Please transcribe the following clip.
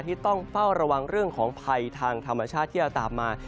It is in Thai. ที่ต้องเฝ้าระวังเรื่องของภัยทางธรรมชาติที่จะตามมา